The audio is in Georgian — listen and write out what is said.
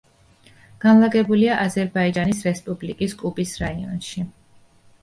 განლაგებულია აზერბაიჯანის რესპუბლიკის კუბის რაიონში.